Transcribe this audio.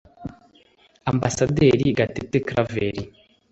Amb Gatete Claver